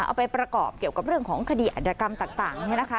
เอาไปประกอบเกี่ยวกับเรื่องของคดีอัตยกรรมต่างเนี่ยนะคะ